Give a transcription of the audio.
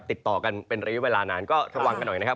ติดต่อกันเป็นระยะเวลานานก็ระวังกันหน่อยนะครับ